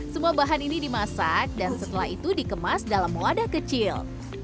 semua bahan ini dimasak dan setelah itu dikemas dalam wadah kecil